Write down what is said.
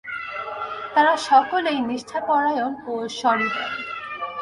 তাঁরা সকলেই নিষ্ঠাপরায়ণ ও সহৃদয়।